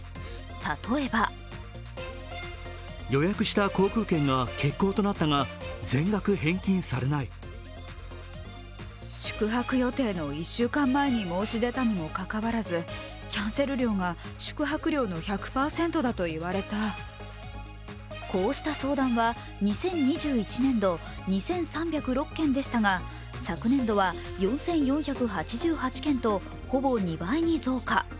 例えばこうした相談は２０２１年度、２３０６件でしたが昨年度は４４８８件とほぼ２倍に増加。